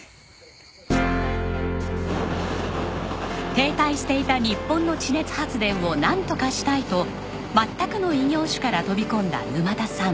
停滞していた日本の地熱発電をなんとかしたいと全くの異業種から飛び込んだ沼田さん。